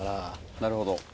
なるほど。